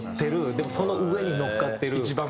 でもその上に乗っかってる。